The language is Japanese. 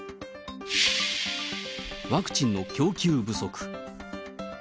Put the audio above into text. ワクチンの供給不足。